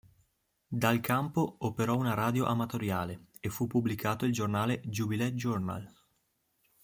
Dal campo operò una radio amatoriale e fu pubblicato il giornale "Jubilee Journal".